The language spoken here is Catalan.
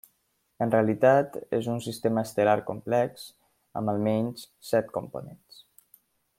En realitat és un sistema estel·lar complex amb, almenys, set components.